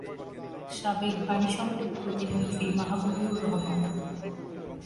সাবেক পানি সম্পদ প্রতিমন্ত্রী মাহবুবুর রহমান।